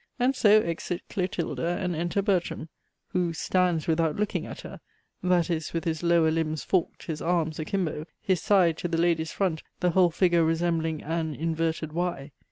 And so exit Clotilda and enter Bertram, who "stands without looking at her," that is, with his lower limbs forked, his arms akimbo, his side to the lady's front, the whole figure resembling an inverted Y.